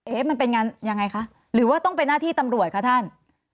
มันเป็นงานยังไงคะหรือว่าต้องเป็นหน้าที่ตำรวจคะท่าน